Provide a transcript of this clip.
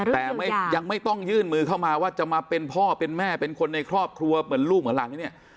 แต่ยังไม่ต้องยื่นมือเข้ามาว่าจะมาเป็นพ่อเป็นแม่เป็นคนในครอบครัวเหมือนลูกเหมือนหลานหรือเนี่ย